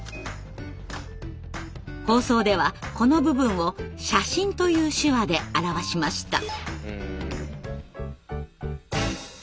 放送ではこの部分を「写真」という手話で表しました。